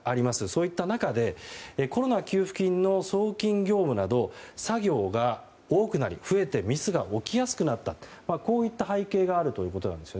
そういった中でコロナ給付金の送金業務など作業が多くなり増えてミスが起きやすくなったこういった背景があるということです。